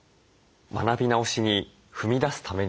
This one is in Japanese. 学び直しに踏み出すためにですね